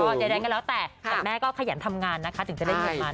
ก็จะได้งั้นแล้วแต่แต่แม่ก็ขยันทำงานนะคะถึงจะได้งั้นมาเนาะ